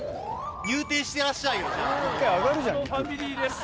入店してらっしゃいよじゃあ。